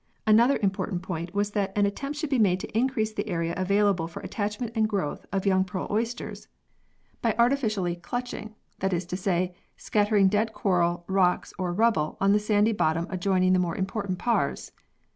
Another important point was that an attempt should be made to increase the area avail able for attachment and growth of young pearl 134 PEARLS [CH. oysters, by artificial "culching," that is to say, scattering dead coral, rocks or rubble on the sandy bottom adjoining the more important paars.